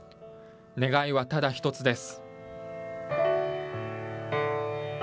願いはただ一つです。